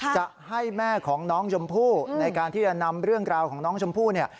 จะให้แม่ของน้องชมพู่ในการที่จะนำเรื่องราวของน้องชมพู่เนี่ย